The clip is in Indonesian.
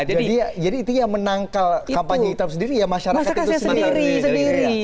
jadi itu yang menangkal kampanye hitam sendiri ya masyarakat itu sendiri